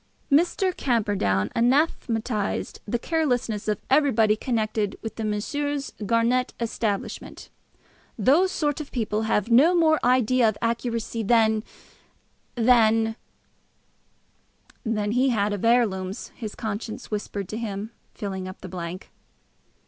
Mr. Camperdown anathematised the carelessness of everybody connected with Messrs. Garnett's establishment. "Those sort of people have no more idea of accuracy than than " than he had had of heirlooms, his conscience whispered to him, filling up the blank.